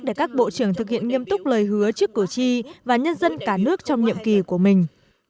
để các bộ trưởng thực hiện nghiêm túc lời hứa trước cử tri và nhân dân cả nước trong nhiệm kỳ của mình